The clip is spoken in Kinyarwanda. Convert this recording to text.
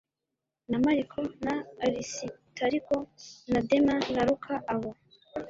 na Mariko na Arisitariko na Dema na Luka abo